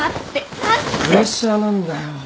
プレッシャーなんだよ。